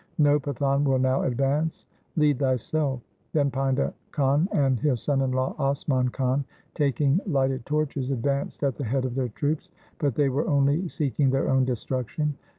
No Pathan will now advance. Lead thyself.' Then Painda Khan and his son in law, Asman Khan, taking lighted torches advanced at the head of their troops, but they were only seeking their own destruction.